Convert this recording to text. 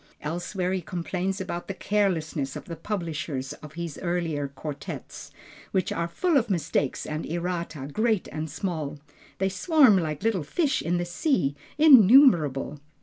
Elsewhere he complains about the carelessness of the publishers of his earlier quartets, which are "full of mistakes and errata great and small. They swarm like fish in the sea, innumerable."